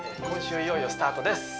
今週いよいよスタートです